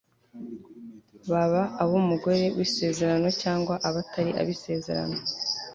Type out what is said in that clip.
baba ab'umugore w'isezerano cyangwa abatari bisezerano